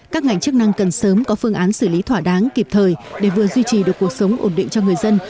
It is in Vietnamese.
các ngành chức năng cần sớm có phương án xử lý thỏa đáng kịp thời để vừa duy trì được cuộc sống ổn định cho người dân